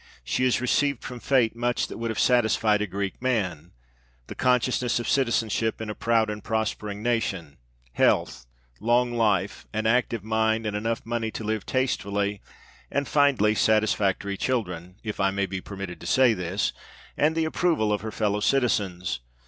She has received from fate much that would have satisfied a Greek man: the consciousness of citizenship in a proud and prospering nation; health, long life, an active mind, and enough money to live tastefully; and, finally, satisfactory children (if I may be permitted to say this) and the approval of her fellow citizens.